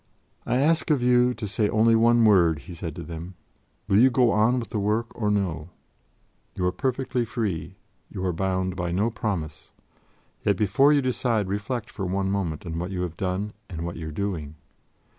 "I ask of you to say only one word," he said to them: "will you go on with the work or no? You are perfectly free; you are bound by no promise. Yet, before you decide, reflect for one moment on what you have done, and what you are doing.